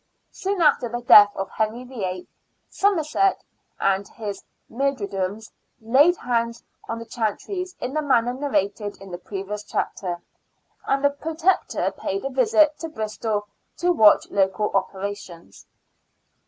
Soon after the death of Henry VIII., Somerset and his myrmidons laid hands on the chantries in the manner narrated in the previous chapter, and the Protector paid a visit to Bristol to watch local operations.